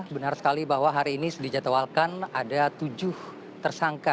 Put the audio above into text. benar sekali bahwa hari ini sedi jatuh walkan ada tujuh tersangka